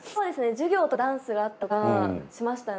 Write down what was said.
授業とかもダンスがあったりとかしましたね。